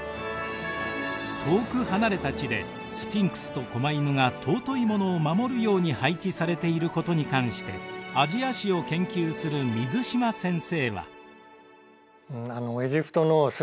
遠く離れた地でスフィンクスと狛犬が尊いものを守るように配置されていることに関してアジア史を研究する水島先生は。